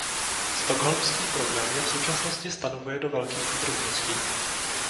Stockholmský program je v současnosti stanovuje do velkých podrobností.